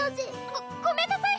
ごごめんなさい